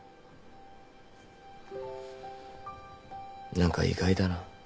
何か意外だな。